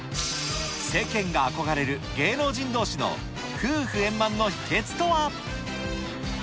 世間が憧れる芸能人どうしの夫婦円満の秘けつとは。